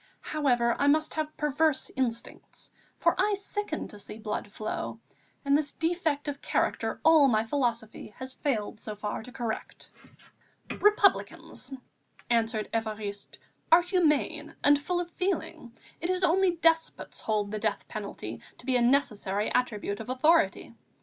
However, I must have perverse instincts, for I sicken to see blood flow, and this defect of character all my philosophy has failed so far to correct." "Republicans," answered Évariste, "are humane and full of feeling. It is only despots hold the death penalty to be a necessary attribute of authority.